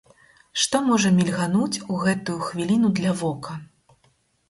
Што можа мільгануць у гэтую хвіліну для вока?